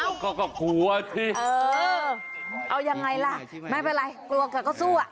เอาก็กลัวสิเออเอายังไงล่ะไม่เป็นไรกลัวแกก็สู้อ่ะ